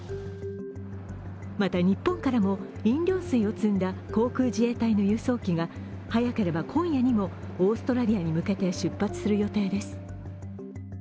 また日本からも飲料水を積んだ航空自衛隊の輸送機が早ければ今夜にもオーストラリアに向けて出発する予定です。